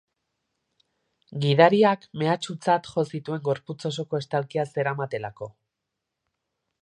Gidariak mehatxutzat jo zituen gorputz osoko estalkia zeramatelako.